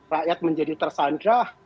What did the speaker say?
rakyat menjadi tersandrah